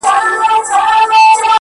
هغه وايي يو درد مي د وزير پر مخ گنډلی ـ